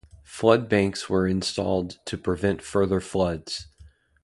Flood banks were installed to prevent further floods.